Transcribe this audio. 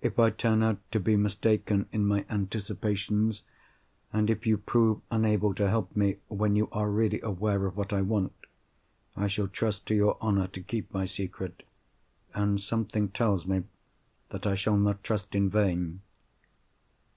If I turn out to be mistaken in my anticipations, and if you prove unable to help me when you are really aware of what I want, I shall trust to your honour to keep my secret—and something tells me that I shall not trust in vain."